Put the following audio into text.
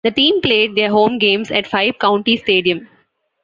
The team played their home games at Five County Stadium.